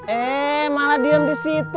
eh malah diam disitu